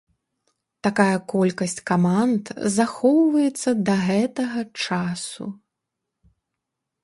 Такая колькасць каманд захоўваецца да гэтага часу.